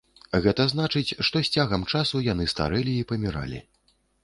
Гэта значыць, што з цягам часу яны старэлі і паміралі.